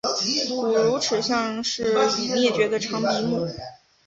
古乳齿象是已灭绝的长鼻目。